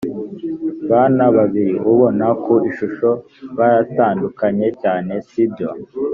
bana babiri ubona ku ishusho baratandukanye cyane si byo